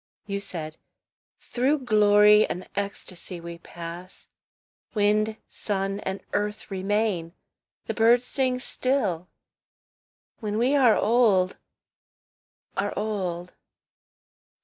You said, "Through glory and ecstasy we pass; Wind, sun, and earth remain, the birds sing still, When we are old, are old.